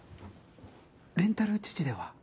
レンタル父では？